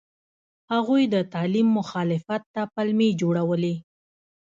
هغوی د تعلیم مخالفت ته پلمې جوړولې.